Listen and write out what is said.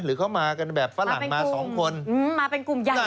หรือเขามากันแบบฝรั่งมาสองคนอื้อมาเป็นกลุ่มใหญ่เลยค่ะ